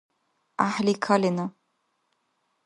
ГӀяхӀли калена.